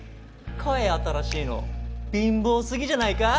買え新しいの。貧乏すぎじゃないか。